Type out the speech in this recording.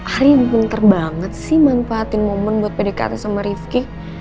ari minter banget sih manfaatin momen buat pdkt sama revki